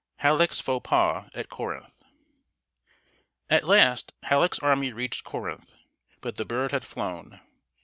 [Sidenote: HALLECK'S FAUX PAS AT CORINTH.] At last, Halleck's army reached Corinth, but the bird had flown.